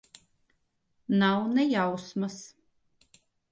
Nav ne jausmas.